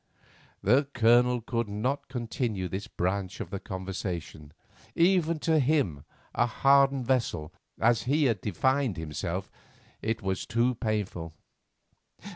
The Colonel could not continue this branch of the conversation. Even to him, a hardened vessel, as he had defined himself, it was too painful.